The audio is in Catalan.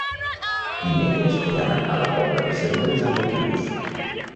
dimecres he d'anar a la Pobla de Cérvoles amb autobús.